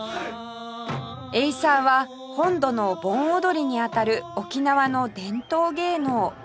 エイサーは本土の盆踊りに当たる沖縄の伝統芸能